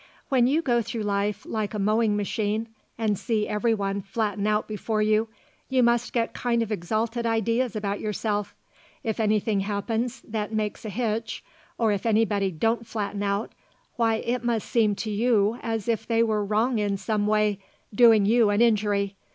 When you go through life like a mowing machine and see everyone flatten out before you, you must get kind of exalted ideas about yourself. If anything happens that makes a hitch, or if anybody don't flatten out, why it must seem to you as if they were wrong in some way, doing you an injury.